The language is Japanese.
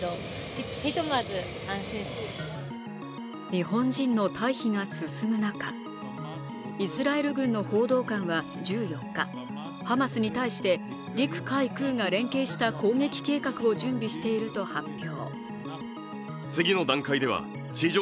日本人の退避が進む中、イスラエル軍の報道官は１４日、ハマスに対して陸・海・空が連携した攻撃計画を準備していると発表。